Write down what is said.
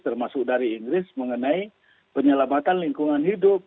termasuk dari inggris mengenai penyelamatan lingkungan hidup